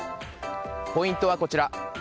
ポイントはこちら。